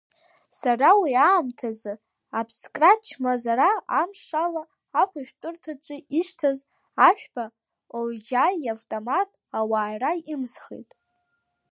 Сара уи аамҭазы аԥскра чмазара амшала ахәшәтәырҭаҿы ишьҭаз Ашәба Олџьаи иавтомат ауаара имысхит.